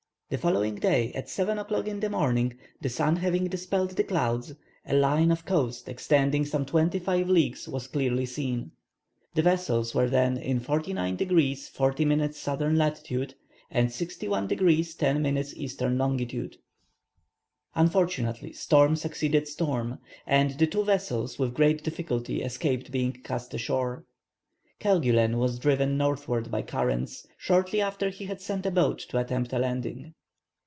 The following day at seven o'clock in the morning, the sun having dispelled the clouds, a line of coast extending some twenty five leagues was clearly seen. The vessels were then in 49 degrees 40 minutes S. lat. and 61 degrees 10 minutes E. long. Unfortunately storm succeeded storm, and the two vessels with great difficulty escaped being cast ashore. Kerguelen was driven northward by currents, shortly after he had sent a boat to attempt a landing.